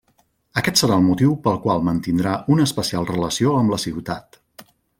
Aquest serà el motiu pel qual mantindrà una especial relació amb la ciutat.